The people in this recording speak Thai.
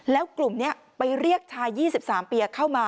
แล้วกลุ่มนี้ไปเรียกชาย๒๓ปีเข้ามา